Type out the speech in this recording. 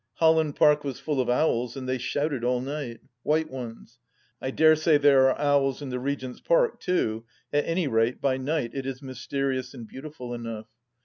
Holland Park was full of owls and they shouted all night. White ones. I dare say there are owls in the Regent's Park too ; at any rate, by night it is mysterious and beautiful enough.